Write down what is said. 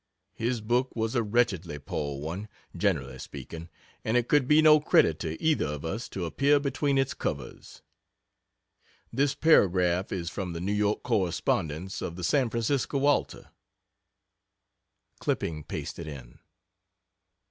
His book was a wretchedly poor one, generally speaking, and it could be no credit to either of us to appear between its covers. This paragraph is from the New York correspondence of the San Francisco Alta: (Clipping pasted in.)